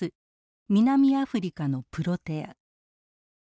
南アフリカのプロテア。